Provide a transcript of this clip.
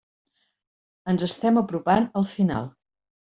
Ens estem apropant al final.